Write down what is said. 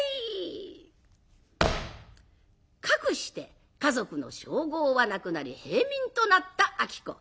かくして華族の称号はなくなり平民となった子。